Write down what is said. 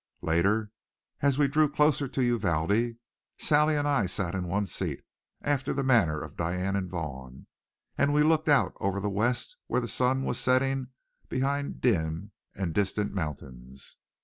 Later, as we drew close to Uvalde, Sally and I sat in one seat, after the manner of Diane and Vaughn, and we looked out over the west where the sun was setting behind dim and distant mountains.